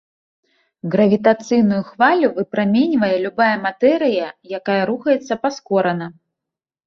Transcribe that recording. Гравітацыйную хвалю выпраменьвае любая матэрыя, якая рухаецца паскорана.